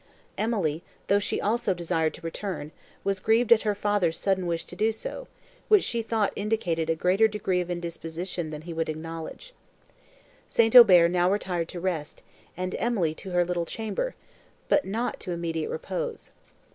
Emily, though she also desired to return, was grieved at her father's sudden wish to do so, which she thought indicated a greater degree of indisposition than he would acknowledge. St. Aubert now retired to rest, and Emily to her little chamber, but not to immediate repose.